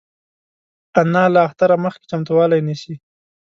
انا له اختره مخکې چمتووالی نیسي